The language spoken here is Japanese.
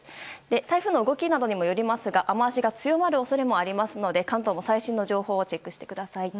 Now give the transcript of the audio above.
台風の動きなどにもよりますが雨脚が強まる恐れもありますので関東も最新の情報をチェックしてください。